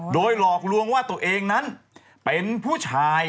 โดยหลอกลวงว่าตัวเองนั้นเป็นผู้ชาย